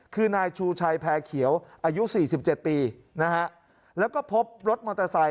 คือนายชูชัยแพร่เขียวอายุสี่สิบเจ็ดปีนะฮะแล้วก็พบรถมอเตอร์ไซค